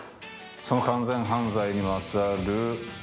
その完全犯罪にまつわる愛ですね。